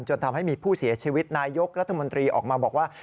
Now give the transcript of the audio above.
จนทำให้มีผู้เสียชีวิตนายกรัฐมนตรีออกมาบอกว่า